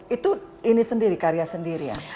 itu ini sendiri karya sendiri ya